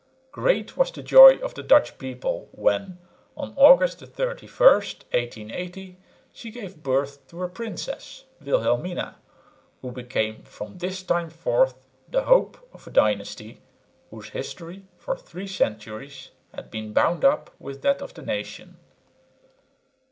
Great was the joy of the Dutch people, when, on August 31, 1880, she gave birth to a princess, Wilhelmina, who became from this time forth the hope of a dynasty, whose history for three centuries had been bound up with that of the nation.